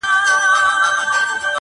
عمر ځکه ډېر کوي چي پوه په کار دی؛